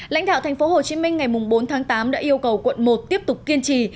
lãnh thạo thành phố hồ chí minh ngày bốn tháng tám đã yêu cầu quận một tiếp tục kiên trì